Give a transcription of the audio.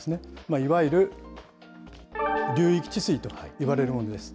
いわゆる流域治水といわれるものです。